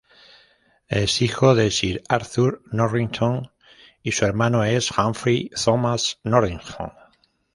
Es hijo de Sir Arthur Norrington y su hermano es Humphrey Thomas Norrington.